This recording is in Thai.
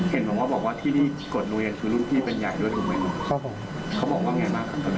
เห็นผมว่าบอกว่าที่ที่กดโรงเรียนคือรุ่นพี่เป็นใหญ่ด้วยถูกไหม